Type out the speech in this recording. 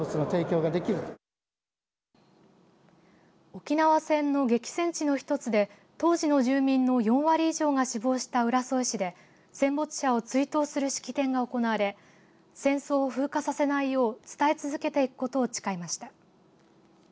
沖縄戦の激戦地の一つで当時の住民の４割以上が死亡した浦添市で戦没者を追悼する式典が行われ戦争を風化させないよう伝え続けていくことを誓いました。